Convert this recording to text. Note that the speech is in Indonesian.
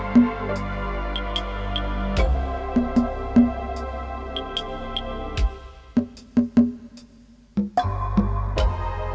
kalo kami di direito kewangannya kan